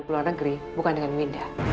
keluar negeri bukan dengan winda